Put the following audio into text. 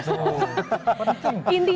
intinya sih menghindari